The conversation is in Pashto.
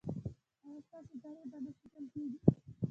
ایا ستاسو تاریخ به نه ساتل کیږي؟